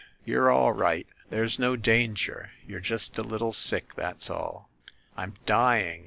"You're all right; there's no danger. You're just a little sick, that's all." "I'm dying!